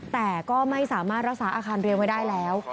แต่ก็ไม่สามารถรักษาอาคารเรียนไว้ได้แล้ว